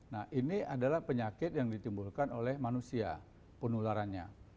nah ini adalah penyakit yang ditimbulkan oleh manusia penularannya